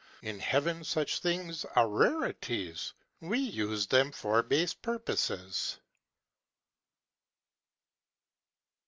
In heaven such things are rareties; We use them for base purposes."